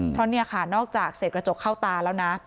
เพราะนี่ค่ะนอกจากเสร็จกระจกเข้าตาแล้วนะ